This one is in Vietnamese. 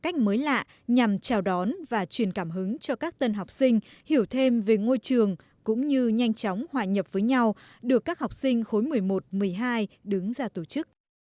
cách nhằm chào đón và truyền cảm hứng cho các tân học sinh hiểu thêm về ngôi trường cũng như nhanh chóng hòa nhập với nhau được các học sinh khối một mươi một một mươi hai đứng ra tổ chức